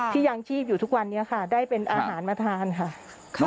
ยังชีพอยู่ทุกวันนี้ค่ะได้เป็นอาหารมาทานค่ะ